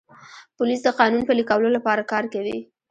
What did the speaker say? پولیس د قانون پلي کولو لپاره کار کوي.